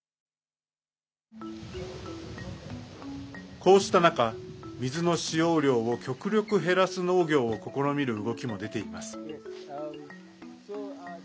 こうした中、水の使用量を極力減らす農業を試みる動きも出ています。